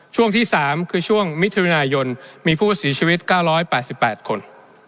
ช่วงที่๓คือช่วงมิถุนายนมีผู้เสียชีวิต๙๘๘คน